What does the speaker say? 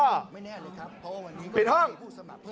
ไม่แน่เลยครับเพราะวันนี้ก็ไม่มีผู้สมัครเพื่อนเติม